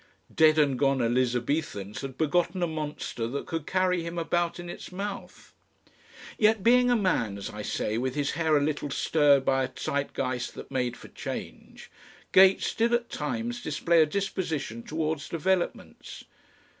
Dead and gone Elizabethans had begotten a monster that could carry him about in its mouth. Yet being a man, as I say, with his hair a little stirred by a Zeitgeist that made for change, Gates did at times display a disposition towards developments.